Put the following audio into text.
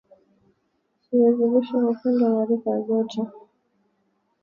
Vazi lishe hupendwa na rika zote